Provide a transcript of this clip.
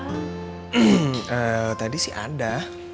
eemmm tadi sih ada